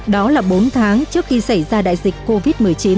đó là bốn tháng trước khi xảy ra đại dịch covid một mươi chín